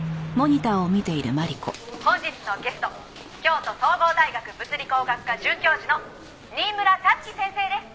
「本日のゲスト京都総合大学物理工学科准教授の新村辰希先生です」